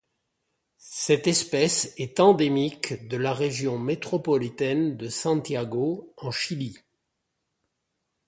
Cette espèce est endémique de la région métropolitaine de Santiago en Chili.